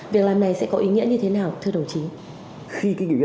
việc làm này sẽ có ý nghĩa như thế nào thưa đồng chí